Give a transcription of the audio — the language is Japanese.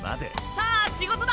さあ仕事だ。